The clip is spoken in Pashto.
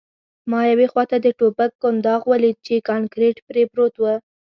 ما یوې خواته د ټوپک کنداغ ولید چې کانکریټ پرې پروت و